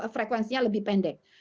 frekuensinya lebih pendek